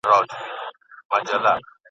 آزمیېلی دی دا اصل په نسلونو ..